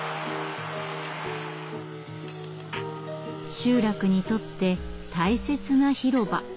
集落にとって大切な広場。